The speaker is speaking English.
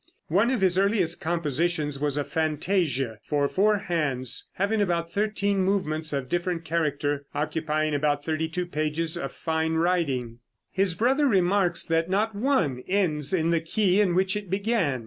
One of his earliest compositions was a fantasia for four hands, having about thirteen movements of different character, occupying about thirty two pages of fine writing. His brother remarks that not one ends in the key in which it began.